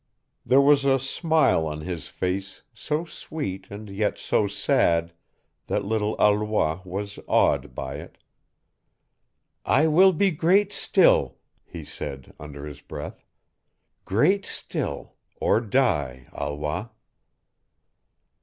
There was a smile on his face so sweet and yet so sad that little Alois was awed by it. "I will be great still," he said under his breath "great still, or die, Alois."